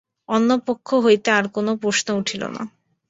অন্য পক্ষ হইতে আর কোনো প্রশ্ন উঠিল না।